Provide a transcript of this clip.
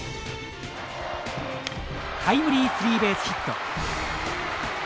タイムリースリーベースヒット。